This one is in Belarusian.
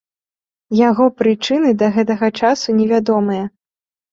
Яго прычыны да гэтага часу невядомыя.